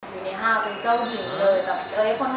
อยู่ในฮาวคือเจ้าหญิงเลย